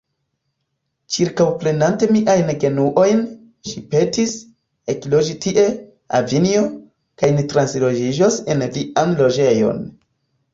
Ĉirkaŭprenante miajn genuojn, ŝi petis: „Ekloĝu tie, avinjo, kaj ni transloĝiĝos en vian loĝejon.